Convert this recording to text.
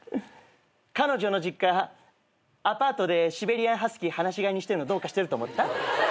彼女の実家アパートでシベリアンハスキー放し飼いにしてるのどうかしてると思った？